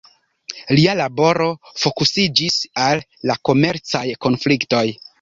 Lia laboro fokusiĝis al la komercaj konfliktoj.